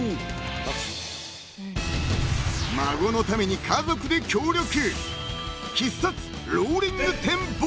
［孫のために家族で協力］